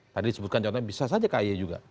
tadi disebutkan contohnya bisa saja kaye juga